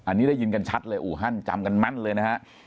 อันนี้ได้ยินกันชัดเลยอู่ฮั่นจำกันแม่นเลยนะฮะ